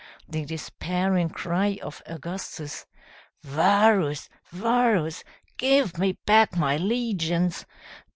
The despairing cry of Augustus, "Varus, Varus, give me back my legions!"